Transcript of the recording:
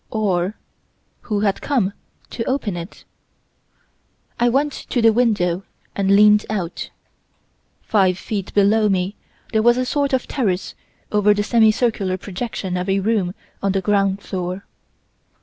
Or, who had come to open it? I went to the window and leaned out. Five feet below me there was a sort of terrace over the semi circular projection of a room on the ground floor.